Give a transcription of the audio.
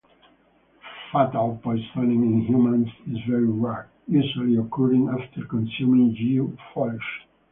Fatal poisoning in humans is very rare, usually occurring after consuming yew foliage.